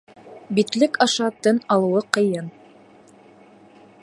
Битлек аша тын алыуы ҡыйын.